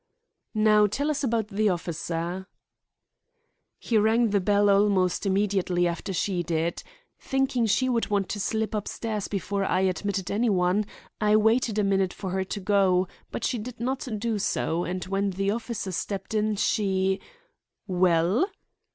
'" "Now tell us about the officer." "He rang the bell almost immediately after she did. Thinking she would want to slip upstairs before I admitted any one, I waited a minute for her to go, but she did not do so, and when the officer stepped in she—" "Well!"